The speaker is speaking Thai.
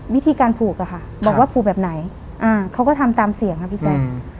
วิธีการผูกอะค่ะบอกว่าผูกแบบไหนเขาก็ทำตามเสียงครับพี่แจ๊ค